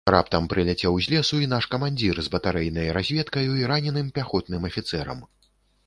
Раптам прыляцеў з лесу і наш камандзір з батарэйнай разведкаю і раненым пяхотным афіцэрам.